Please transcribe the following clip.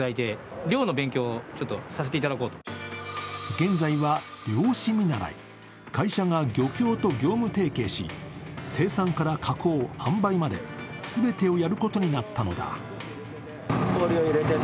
現在は漁師見習い、会社が漁協と業務提携し生産から加工、販売まで全てをやることになったのだ。